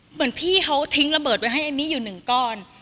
เหมือนพี่เขาทิ้งระเบิดไว้ให้เอมมี่อยู่หนึ่งก้อน